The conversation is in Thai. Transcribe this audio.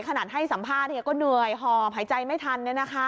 ให้สัมภาษณ์ก็เหนื่อยหอบหายใจไม่ทัน